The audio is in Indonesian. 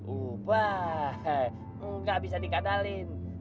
udah enggak bisa dikatalin